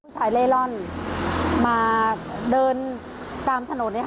ชายเร่ร่อนมาเดินตามถนน